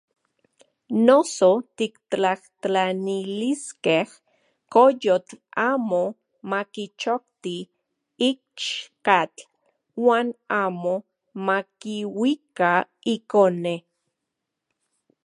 Noso tiktlajtlaniliskej koyotl amo makichokti ichkatl uan amo makiuika ikone.